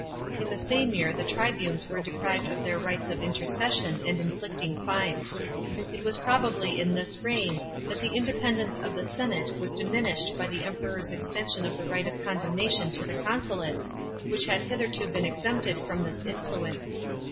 In the same year the tribunes were deprived of their rights of intercession and inflicting fines. It was probably in this reign that the independence of the senate was diminished by the Emperor's extension of the right of commendation to the consulate, which had hitherto been exempted from this influence.